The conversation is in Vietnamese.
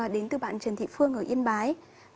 đến từ bạn trần thị phương ở yên bái